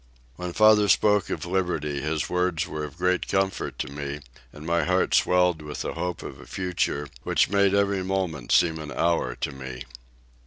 When father spoke of liberty his words were of great comfort to me, and my heart swelled with the hope of a future, which made every moment seem an hour to me.